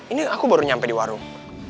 ini aku baru nyampe di warung